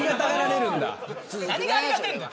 何がありがたいんだよ。